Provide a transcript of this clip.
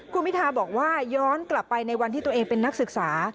คุณพิทาบอกว่าย้อนกลับไปในวันที่ตัวเองเป็นนักศึกษา